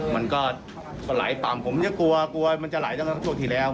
มันก็ไหลต่ำผมจะกลัวกลัวมันจะไหลตั้งแต่ช่วงที่แล้ว